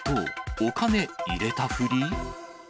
お金入れたふり？